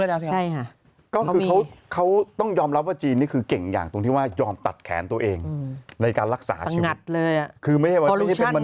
ถ้าเกิดติดเชื้อน้อยลงแสดงว่าเขาควบคุมด้วยแล้วใช่ไหม